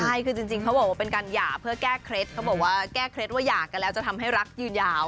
ใช่คือจริงเขาบอกว่าเป็นการหย่าเพื่อแก้เคล็ดเขาบอกว่าแก้เคล็ดว่าหย่ากันแล้วจะทำให้รักยืนยาว